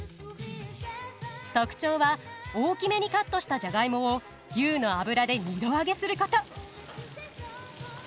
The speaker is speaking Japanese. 特徴は大きめにカットしたジャガイモを牛の脂で２度揚げすること。